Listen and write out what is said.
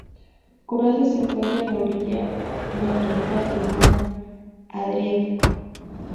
Croacia se encuentra en la orilla nororiental del mar Adriático.